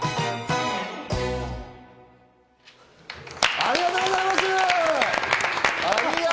ありがとうございます。